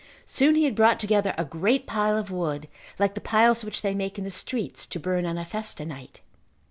Soon he had brought together a great pile of wood like the piles which they make in the streets to burn on a festa night.